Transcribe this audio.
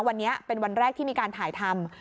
วันนี้เป็นวันแรกที่มีการถ่ายทำ